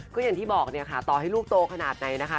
ก็อย่างที่บอกเนี่ยค่ะต่อให้ลูกโตขนาดไหนนะคะ